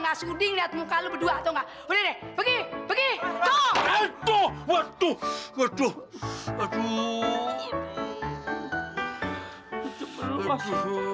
ngasih udin lihat muka lu berdua atau nggak udah deh pergi pergi tuh waktu waduh waduh